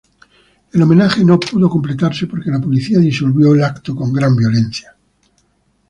El homenaje no pudo completarse porque la policía disolvió el acto con gran violencia.